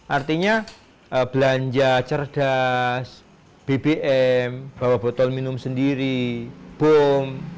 artinya belanja cerdas bbm bawa botol minum sendiri bom